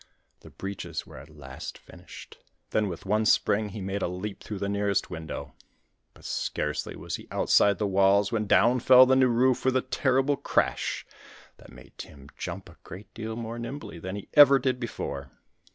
The breeches were at last finished, then with one spring he made a leap through the nearest window. But scarcely was he outside the walls when down fell the new roof with a terrible crash, that made Tim jump a great deal more nimbly than he ever did before.